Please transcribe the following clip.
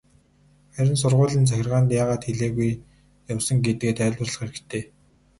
Харин сургуулийн захиргаанд яагаад хэлээгүй явсан гэдгээ тайлбарлах хэрэгтэй.